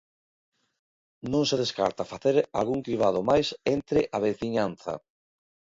Non se descarta facer algún cribado máis entre a veciñanza.